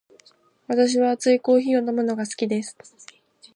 私は熱いコーヒーを飲むのが好きです。